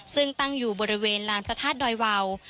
ซึ่งตั้งอยู่บริเวณลานพระธาตุดอยวาว